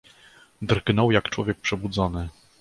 "Drgnął jak człowiek przebudzony."